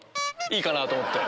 いいかなと思って。